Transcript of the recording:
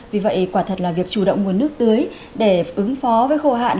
vì vậy quả thật là việc chủ động nguồn nước tưới để ứng phó với khô hạn